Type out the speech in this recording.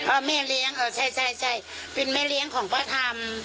อ่ะแม่เลี้ยงใช่เป็นแม่เลี้ยงของประธรรม